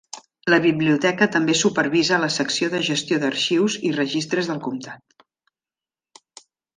La biblioteca també supervisa la secció de gestió d'arxius i registres del comtat.